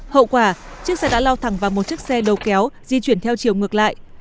hậu quả chiếc xe đã lao thẳng vào một chiếc xe đầu kéo di chuyển theo chiều ngược lại